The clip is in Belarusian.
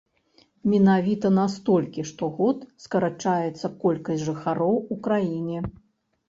Менавіта на столькі штогод скарачаецца колькасць жыхароў у краіне.